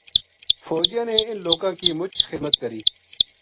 فوجیاں نے اِنھ لوکاں کی مُچ خِذمت کری